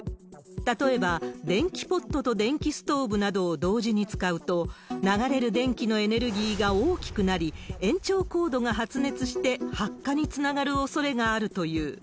例えば、電気ポットと電気ストーブなどを同時に使うと、流れる電気のエネルギーが大きくなり、延長コードが発熱して発火につながるおそれがあるという。